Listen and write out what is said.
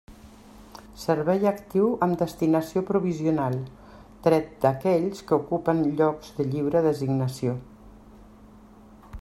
Servei actiu amb destinació provisional, tret d'aquells que ocupen llocs de lliure designació.